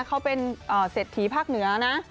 เขาเป็นเศรษฐีภาคเหนือนะ